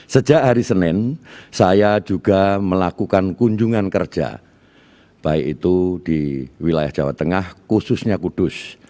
sejak hari senin saya juga melakukan kunjungan kerja baik itu di wilayah jawa tengah khususnya kudus